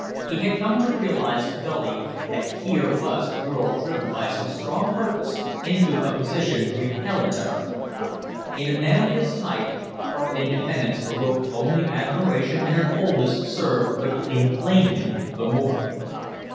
He had come to realize dully that here was a girl driven by some strong purpose into a position repellent to her. In a man of his type, her independence awoke only admiration and her coldness served but to inflame him the more.